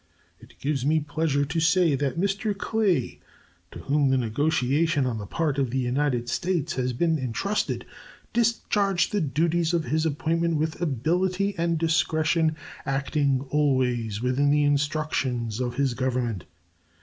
It gives me pleasure to say that Mr. Clay, to whom the negotiation on the part of the United States had been intrusted, discharged the duties of his appointment with ability and discretion, acting always within the instructions of his Government.